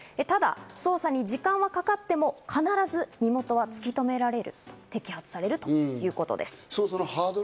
ただ捜査に時間はかかっても必ず身元は突き止められる、摘発されるということです。